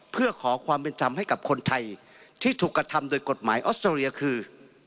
เพื่อขอความเป็นธรรมให้กับคนไทยที่ถูกกระทำโดยกฎหมายออสเตอเรียคือ